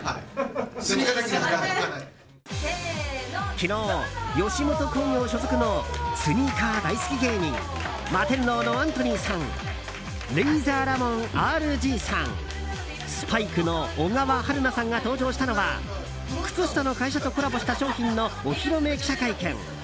昨日、吉本興業所属のスニーカー大好き芸人マテンロウのアントニーさんレイザーラモンＲＧさんスパイクの小川暖奈さんが登場したのは靴下の会社とコラボした商品のお披露目記者会見。